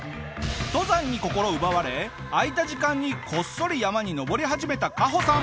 登山に心奪われ空いた時間にこっそり山に登り始めたカホさん。